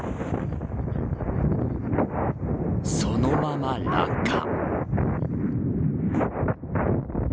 そのまま落下。